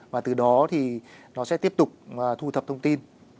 và từ đó thì nó sẽ tiếp tục thu thập thông tin